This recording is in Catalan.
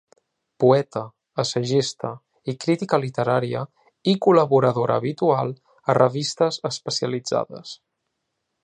Poeta, assagista i crítica literària i col·laboradora habitual a revistes especialitzades.